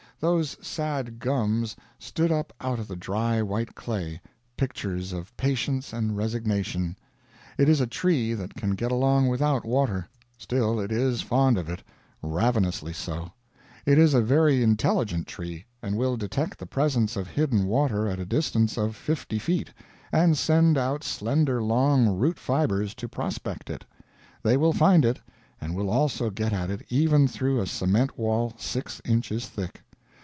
Those sad gums stood up out of the dry white clay, pictures of patience and resignation. It is a tree that can get along without water; still it is fond of it ravenously so. It is a very intelligent tree and will detect the presence of hidden water at a distance of fifty feet, and send out slender long root fibres to prospect it. They will find it; and will also get at it even through a cement wall six inches thick.